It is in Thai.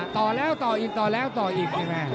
ต่อแล้วต่ออีกต่อแล้วต่ออีกแม่